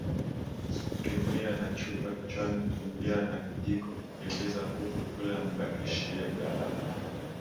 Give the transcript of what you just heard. Kukimbia na chupa kichwani Kukimbia na kijiko Kukimbiza kuku Kula mbakishiebaba